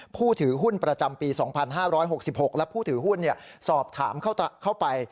ผู้ถือหุ้นประจำปี๒๕๖๖และผู้ถือหุ้นสอบถามเข้าไป